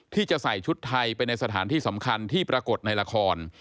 ที่จะใส่ชุดไทยไปในสถานที่สำคัญที่ปรากฏในละคร